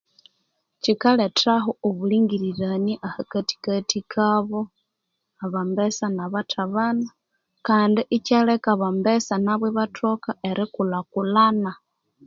Kyikaletha obulingirirania ahakathikathi kabu abambesa nabathabana Kandi ikyaleka abambesa nabu ibathoka erikulhakulana